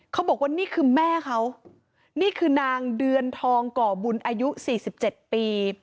เขาบอกว่านี่คือแม่เขานี่คือนางเดือนทองก่อบุญอายุ๔๗ปี